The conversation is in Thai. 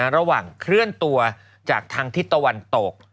ระหว่างเคลื่อนตัวจากทางทิศตะวันตก